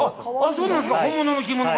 そうなんですか、本物の着物が？